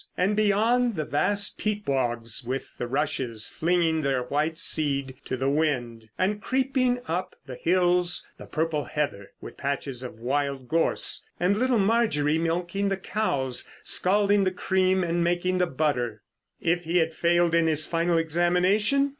And beyond, the vast peat bogs with the rushes flinging their white seed to the wind, and creeping up the hills the purple heather with patches of wild gorse; and little Marjorie milking the cows, scalding the cream, and making the butter. If he had failed in his final examination?